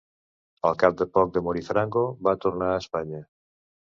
Al cap de poc de morir Franco va tornar a Espanya.